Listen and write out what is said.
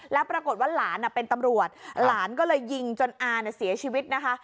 แล้วปรากฏว่าหลานเป็นตำรวจหลานก็เลยยิงจนอาเสียชีวิตนะคะ